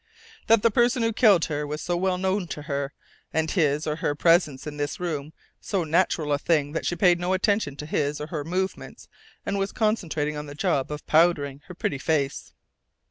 "That the person who killed her was so well known to her, and his or her presence in this room so natural a thing that she paid no attention to his or her movements and was concentrating on the job of powdering her very pretty face."